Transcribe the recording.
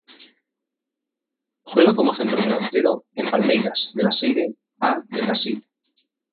Juega como centrodelantero en Palmeiras de la Serie A de Brasil.